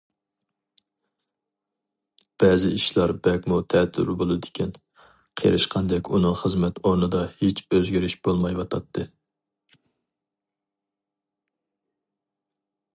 بەزى ئىشلار بەكمۇ تەتۈر بولىدىكەن، قېرىشقاندەك ئۇنىڭ خىزمەت ئورنىدا ھېچ ئۆزگىرىش بولمايۋاتاتتى.